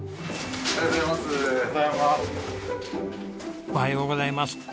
おはようございます。